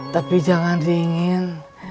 tapi jangan dingin